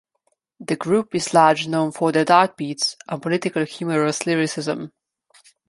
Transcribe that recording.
The group is largely known for their dark beats and political humorous lyricism.